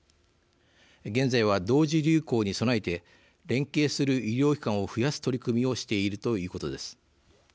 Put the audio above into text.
現在は同時流行に備えて連携する医療機関を増やす取り組みをしているということです。